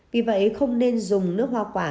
vì vậy không nên dùng nước hoa quả